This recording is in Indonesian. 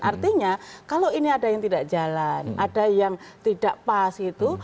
artinya kalau ini ada yang tidak jalan ada yang tidak pas gitu